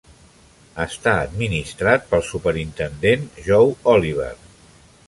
Està administrat pel superintendent Joe Oliver.